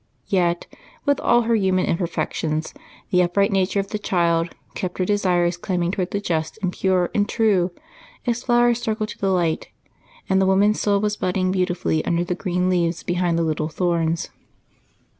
Yet, with all her human imperfections, the upright nature of the child kept her desires climbing toward the just and pure and true, as flowers struggle to the light; and the woman's soul was budding beautifully under the green leaves behind the little thorns.